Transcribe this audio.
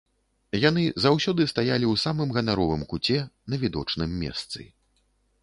Яны заўсёды стаялі ў самым ганаровым куце на відочным месцы.